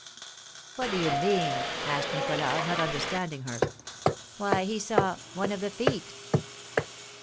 "What do you mean?" asked Nicholas, not understanding her. "Why, he saw one of the feet!"